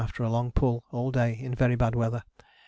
after a long pull all day in very bad weather.